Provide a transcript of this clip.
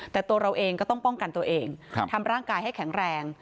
แต่ตัวเราเองก็ต้องป้องกันตัวเองทำร่างกายให้แข็งแรง